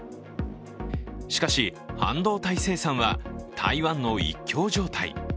しかし、半導体生産は台湾の一強状態。